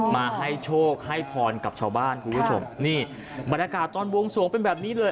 มาให้โชคให้พรกับชาวบ้านคุณผู้ชมนี่บรรยากาศตอนวงสวงเป็นแบบนี้เลย